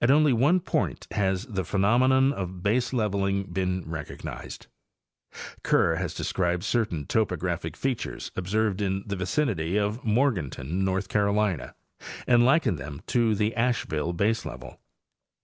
At only one point has the phenomenon of baselevel ing been recognized. Kerr has described certain topographic features observed in the vicinity of Morganton, North Carolina,* and likened them to the Asheville baselevel.